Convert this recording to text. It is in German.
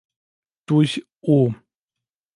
Durch "o.